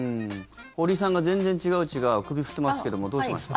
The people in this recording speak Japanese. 堀さんが全然違う、違うって首振っていますけどもどうしました？